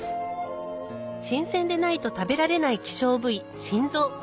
新鮮でないと食べられない希少部位心臓